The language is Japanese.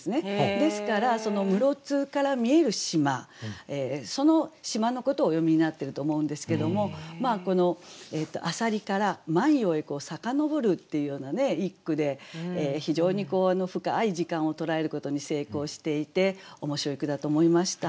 ですからその室津から見える島その島のことをお詠みになってると思うんですけどもこの浅蜊から万葉へ遡るっていうような一句で非常に深い時間を捉えることに成功していて面白い句だと思いました。